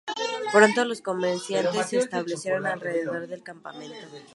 Pronto los comerciantes se establecieron alrededor del campamento.